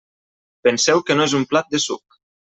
Penseu que no és un plat de suc.